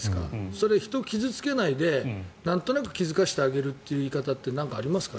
それは人を傷付けないでなんとなく気付かせてあげる言い方ってなんかありますか？